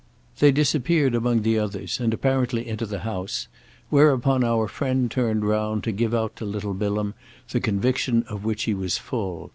They disappeared among the others and apparently into the house; whereupon our friend turned round to give out to little Bilham the conviction of which he was full.